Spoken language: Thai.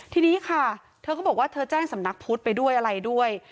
ทีนี้ค่ะเธอก็บอกว่าเธอแจ้งสำนักพุทธไปด้วยอะไรด้วย